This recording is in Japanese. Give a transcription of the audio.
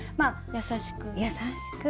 優しく。